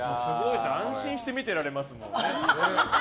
安心して見てられますもんね。